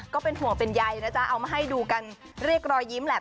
ก็เป็นห่วงเป็นใยนะจ๊ะเอามาให้ดูกันเรียกรอยยิ้มแหละ